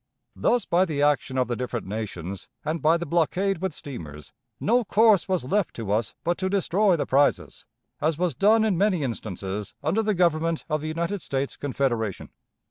Thus, by the action of the different nations and by the blockade with steamers, no course was left to us but to destroy the prizes, as was done in many instances under the Government of the United States Confederation.